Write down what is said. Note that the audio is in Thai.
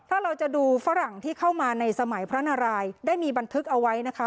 ถ้าเราจะดูฝรั่งที่เข้ามาในสมัยพระนารายได้มีบันทึกเอาไว้นะคะ